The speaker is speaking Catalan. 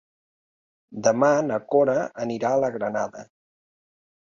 Demà na Cora anirà a la Granada.